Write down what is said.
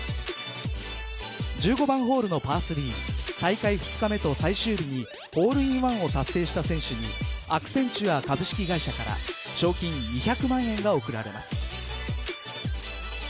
１５番ホールのパー３大会２日目と最終日にホールインワンを達成した選手にアクセンチュア株式会社から賞金２００万円が贈られます。